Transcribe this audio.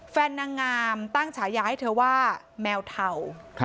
นางงามตั้งฉายาให้เธอว่าแมวเทา